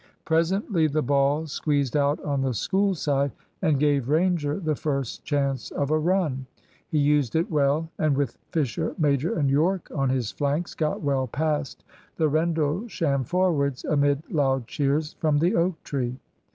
Presently the ball squeezed out on the School side and gave Ranger the first chance of a run. He used it well, and with Fisher major and Yorke on his flanks got well past the Rendlesham forwards amid loud cheers from the oak tree.